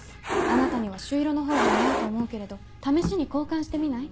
「あなたには朱色のほうが似合うと思うけれど試しに交換してみない？